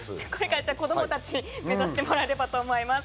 じゃあ子供たちに目指してもらえればと思います。